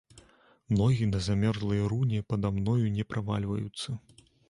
Ногі на замёрзлай руні пада мною не правальваюцца.